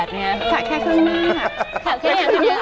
สระแค่ครึ่งหนึ่ง